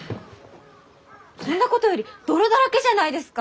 そんなことより泥だらけじゃないですか！